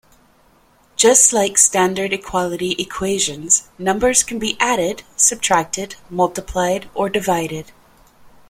Just like standard equality equations, numbers can be added, subtracted, multiplied or divided.